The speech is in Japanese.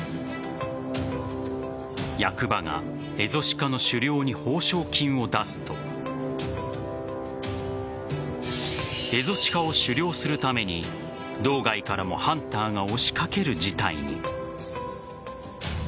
役場がエゾシカの狩猟に報奨金を出すとエゾシカを狩猟するために道外からもハンターが押しかける事態に。